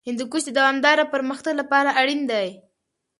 هندوکش د دوامداره پرمختګ لپاره اړین دی.